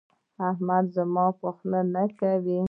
احمد زما په خوله نه کوي.